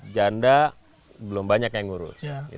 janda belum banyak yang ngurus